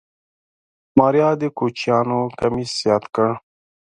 ماريا د کوچيانو کميس ياد کړ.